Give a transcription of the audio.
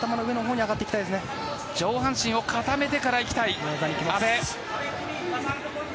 上半身を固めてからいきたい阿部。